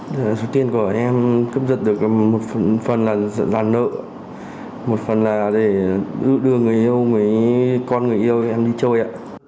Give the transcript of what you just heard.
và số tiền của em cướp giật được một phần là dàn nợ một phần là để đưa người yêu con người yêu em đi chơi